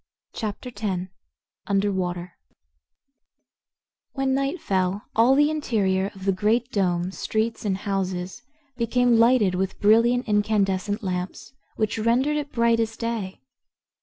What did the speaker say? Chapter Ten Under Water When night fell all the interior of the Great Dome, streets and houses, became lighted with brilliant incandescent lamps, which rendered it bright as day.